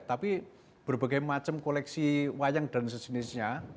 tapi berbagai macam koleksi wayang dan sejenisnya